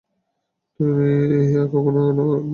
তুমি আর কখনো আমার কাছছাড়া হবে না।